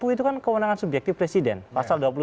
itu kan kewenangan subjektif presiden pasal dua puluh satu